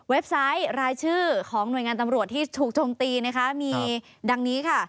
ไซต์รายชื่อของหน่วยงานตำรวจที่ถูกโจมตีนะคะมีดังนี้ค่ะ